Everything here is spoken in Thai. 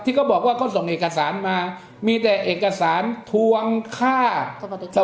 ที่เขาบอกว่าเขาส่งเอกสารมามีแต่เอกสารทวงค่าสวัสดิการ